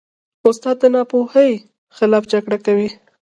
استاد د ناپوهۍ خلاف جګړه کوي.